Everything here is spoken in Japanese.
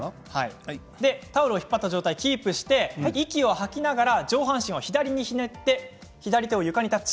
タオルを引っ張った状態をキープして息を吐きながら上半身を左にひねって左手を床にタッチ。